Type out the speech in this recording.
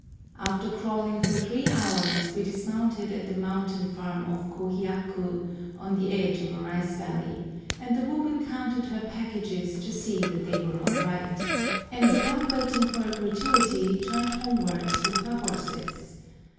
After crawling for three hours we dismounted at the mountain farm of Kohiaku, on the edge of a rice valley, and the woman counted her packages to see that they were all right, and without waiting for a gratuity turned homewards with her horses.